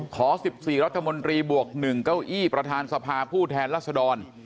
ขอ๑๔รัฐมนตรีบวก๑เก้าอี้ประธานสภาผู้แทนรัศดร